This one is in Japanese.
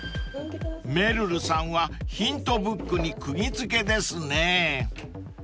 ［めるるさんはヒントブックに釘付けですね］